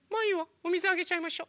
おみずあげちゃいましょ。